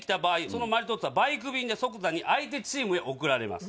そのマリトッツォはバイク便で即座に相手チームへ送られます